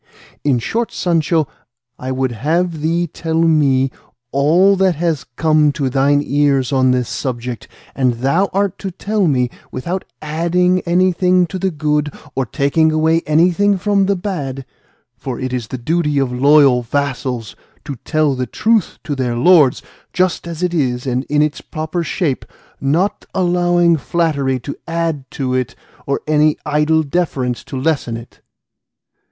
In short, Sancho, I would have thee tell me all that has come to thine ears on this subject; and thou art to tell me, without adding anything to the good or taking away anything from the bad; for it is the duty of loyal vassals to tell the truth to their lords just as it is and in its proper shape, not allowing flattery to add to it or any idle deference to lessen it.